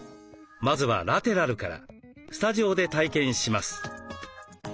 まずはラテラルからスタジオで体験します。